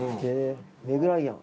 メグ・ライアン。